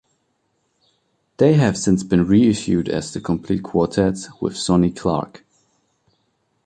They have since been reissued as The Complete Quartets with Sonny Clark.